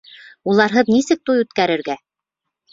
Уларһыҙ нисек туй үткәрергә?